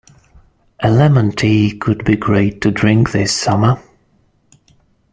A lemon tea could be great to drink this summer.